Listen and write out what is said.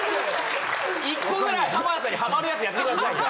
１個ぐらい浜田さんにハマるやつやってくださいよ。